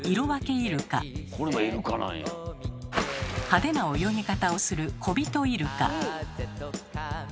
派手な泳ぎ方をするコビトイルカ。